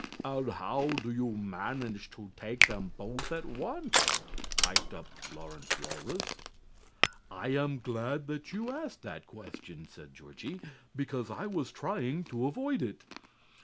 "And how do you manage to take them both at once?" piped up Lawrence Walrus. "I am glad that you asked that question," said Georgie, "because I was trying to avoid it.